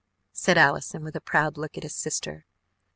said Allison with a proud look at his sister.